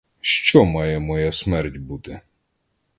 Що має моя смерть бути?